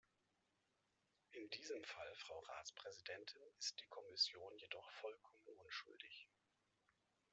In diesem Fall, Frau Ratspräsidentin, ist die Kommission jedoch vollkommen unschuldig.